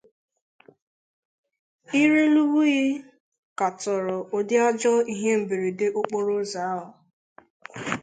Irelewuyi katọrọ ụdị ajọ ihe mberede okporoụzọ ahụ